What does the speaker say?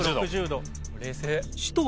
３６０度。